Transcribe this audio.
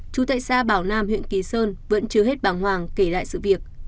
chú tây xa bảo nam huyện kỳ sơn vẫn chưa hết bảng hoàng kể lại sự việc